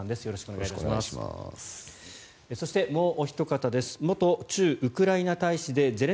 よろしくお願いします。